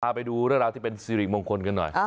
ไปดูเรื่องราวที่เป็นสิริมงคลกันหน่อย